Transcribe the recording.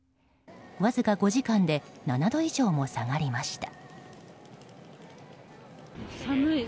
わずか５時間で７度以上も下がりました。